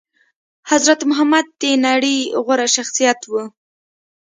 حضرت محمد د نړي غوره شخصيت وو